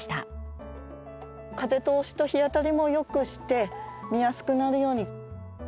風通しと日当たりもよくして見やすくなるように。